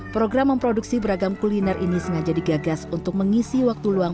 program memproduksi beragam kuliner ini sengaja digagas untuk mengisi waktu luang